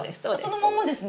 そのまんまですね。